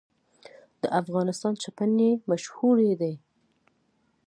د افغانستان چپنې مشهورې دي